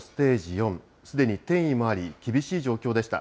４、すでに転移もあり、厳しい状況でした。